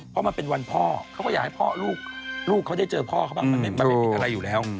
เพราะมันเป็นวันพ่อเขาก็อยากให้พ่อลูกเขาได้เจอพ่อเขาบ้างมันไม่ผิดอะไรอยู่แล้ว